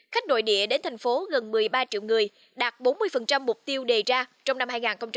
khách nội địa đến thành phố gần một mươi ba triệu người đạt bốn mươi mục tiêu đề ra trong năm hai nghìn hai mươi